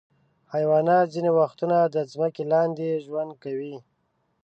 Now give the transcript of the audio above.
حیوانات ځینې وختونه د ځمکې لاندې ژوند کوي.